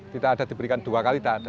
tidak ada diberikan dua kali tak ada